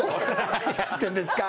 何やってんですか。